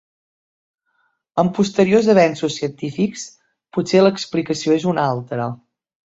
Amb posteriors avenços científics, potser l'explicació és una altra.